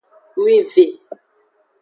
Wive.